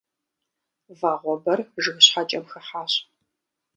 Вагъуэбэр жыг щхьэкӏэм хыхьащ.